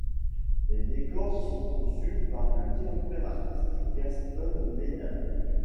Les décors sont conçus par le directeur artistique Gastone Medin.